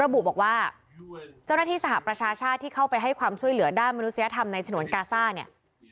ระบุบอกว่าเจ้าหน้าที่สหประชาชาติที่เข้าไปให้ความช่วยเหลือด้านมนุษยธรรมในฉนวนกาซ่าเนี่ย